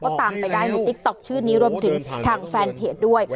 ก็ตามไปได้ในติ๊กต๊อกชื่อนี้รวมถึงทางแฟนเพจด้วย